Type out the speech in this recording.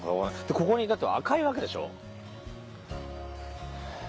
ここに至っては赤いわけでしょ。